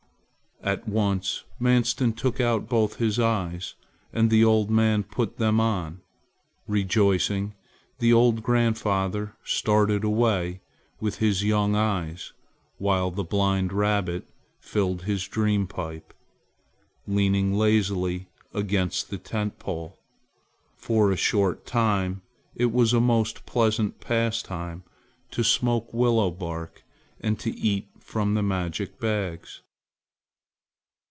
At once Manstin took out both his eyes and the old man put them on! Rejoicing, the old grandfather started away with his young eyes while the blind rabbit filled his dream pipe, leaning lazily against the tent pole. For a short time it was a most pleasant pastime to smoke willow bark and to eat from the magic bags.